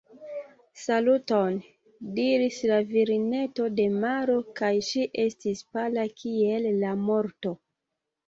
« Saluton », diris la virineto de maro kaj ŝi estis pala kiel la morto.